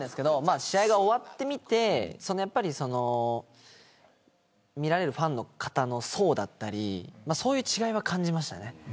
試合が終わってみて試合を見られるファンの層だったりそういう違いは感じました。